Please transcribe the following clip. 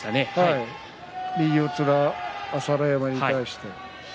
右四つの朝乃山に対して。